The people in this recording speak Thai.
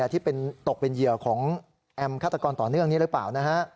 ที่ตกเป็นเหยื่อของแอมฆาตกรต่อเนื่องนี้หรือเปล่านะฮะ